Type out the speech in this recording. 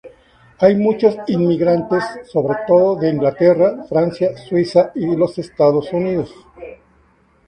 Hay muchos inmigrantes, sobre todo de Inglaterra, Francia, Suiza y los Estados Unidos.